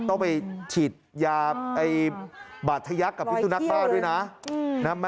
ต้องไปฉีดยาบาดทะยักษ์กับพิสุนักบ้าด้วยนะ